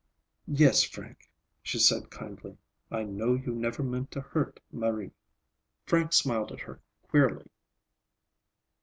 "Yes, Frank," she said kindly. "I know you never meant to hurt Marie." Frank smiled at her queerly.